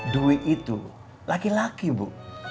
duit itu laki laki bu